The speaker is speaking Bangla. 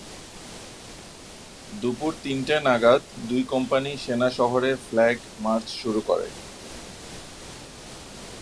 দুপুর তিনটে নাগাদ দুই কোম্পানি সেনা শহরে ফ্ল্যাগ মার্চ শুরু করে।